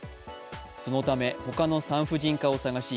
そのためほかの産婦人科を探し